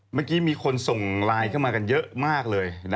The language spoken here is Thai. เมื่อกี้มีคนส่งไลน์เข้ามากันเยอะมากเลย